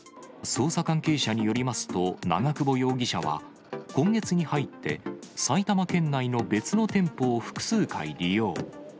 捜査関係者によりますと、長久保容疑者は、今月に入って、埼玉県内の別の店舗を複数回利用。